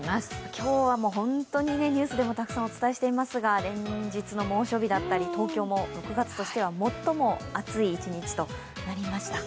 今日は本当にニュースでもたくさんお伝えしていますが、連日の猛暑日だったり、東京も６月としては最も暑い一日となりました。